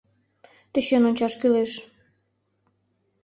— Тӧчен ончаш кӱлеш...